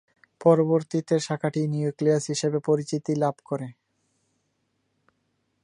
পরবর্তীতে শাখাটি ‘নিউক্লিয়াস’ হিসেবে পরিচিতি লাভ করে।